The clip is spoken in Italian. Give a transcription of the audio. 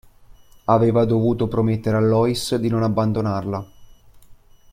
Aveva dovuto promettere a Lois di non abbandonarla.